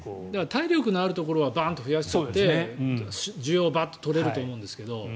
体力のあるところはバーンと増やして需要をバッと取れると思うんですが。